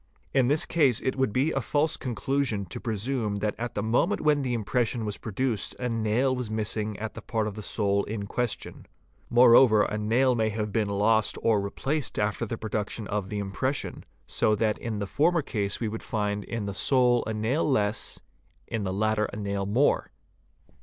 In this case it would be a false conclusion to presume that at the moment when the impression was produced a nail was missing at the part of the sole in question. Moreover, a nail may have been lost or replaced after the production of the impression, so that in the former case we would find in the sole a nail less, in the latter a nail more.